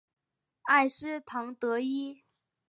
埃斯唐德伊。